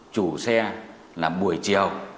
chủ xe là buổi chiều